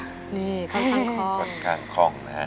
นี่ค่อนข้างคล้อง